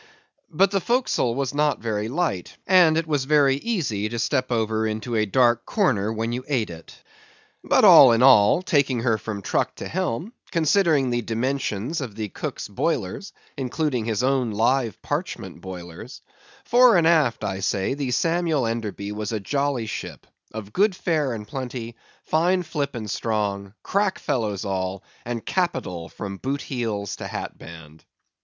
But the forecastle was not very light, and it was very easy to step over into a dark corner when you ate it. But all in all, taking her from truck to helm, considering the dimensions of the cook's boilers, including his own live parchment boilers; fore and aft, I say, the Samuel Enderby was a jolly ship; of good fare and plenty; fine flip and strong; crack fellows all, and capital from boot heels to hat band.